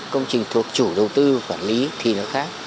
công trình thuộc chủ đầu tư quản lý thì nó khác